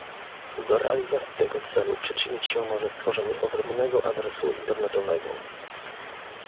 Do realizacji tego celu przyczynić się może stworzenie odrębnego adresu internetowego